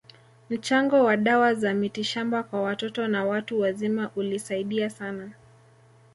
Mchango wa dawa za mitishamba kwa watoto na watu wazima ulisaidia sana